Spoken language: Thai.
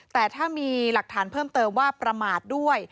แต่ถ้ามีหลักฐานเพิ่มเติมว่าประมาทด้วย